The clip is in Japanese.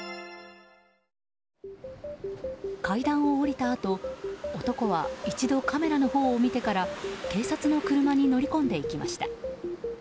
階段を下りたあと男は一度カメラのほうを見てから警察の車に乗り込んでいきました。